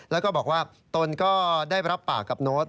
แล้วก็บอกว่าตนก็ได้รับปากกับโน้ต